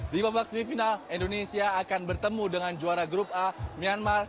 di babak semifinal indonesia akan bertemu dengan juara grup a myanmar